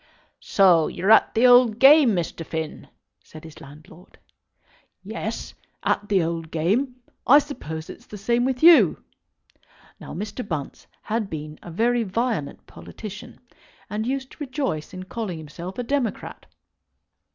"So you're at the old game, Mr. Finn?" said his landlord. "Yes; at the old game. I suppose it's the same with you?" Now Mr. Bunce had been a very violent politician, and used to rejoice in calling himself a Democrat.